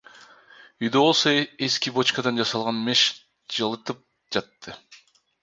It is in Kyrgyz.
Үйдү болсо эски бочкадан жасалган меш жылытып жатты.